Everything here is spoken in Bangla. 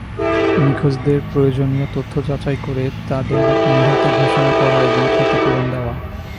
নিখোঁজদের প্রয়োজনীয় তথ্য যাচাই করে তাঁদের নিহত ঘোষণা করা এবং ক্ষতিপূরণ দেওয়া।